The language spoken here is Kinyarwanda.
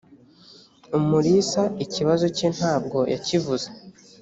umulisa ikibazo cye ntabwo yakivuze